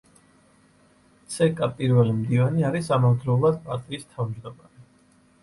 ცკ პირველი მდივანი არის ამავდროულად პარტიის თავმჯდომარე.